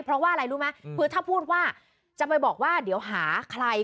เพราะว่าอะไรรู้ไหมคือถ้าพูดว่าจะไปบอกว่าเดี๋ยวหาใคร